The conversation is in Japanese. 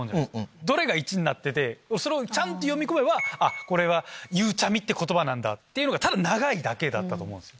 どれが１になっててそれをちゃんと読み込めばこれは「ゆうちゃみ」って言葉なんだっていうのがただ長いだけだったと思うんですよ。